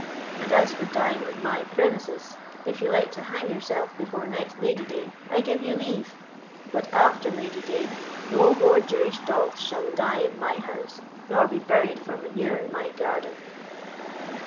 And as for dying on my premises, if you like to hang yourself before next Lady day, I give you leave, but after Lady day no more Jewish dogs shall die in my house nor be buried for manure in my garden."